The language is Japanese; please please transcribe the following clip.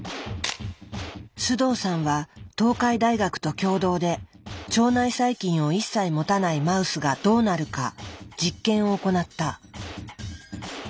須藤さんは東海大学と共同で腸内細菌を一切持たないマウスがどうなるか実験を行った。